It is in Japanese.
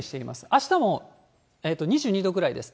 あしたも２２度ぐらいです。